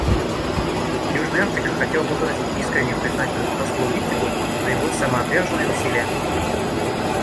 Южная Африка хотела бы выразить искреннюю признательность послу Виттигу за его самоотверженные усилия.